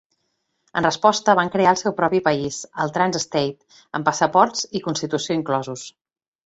En resposta, van crear el seu propi país, el "Trans-State", amb passaports i constitució inclosos.